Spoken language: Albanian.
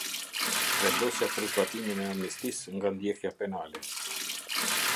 Vendosja për zbatimin e amnistisë nga ndjekja penale.